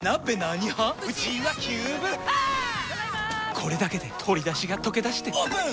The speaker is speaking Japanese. これだけで鶏だしがとけだしてオープン！